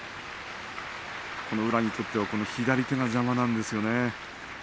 この宇良にとっては左手が邪魔なんですね。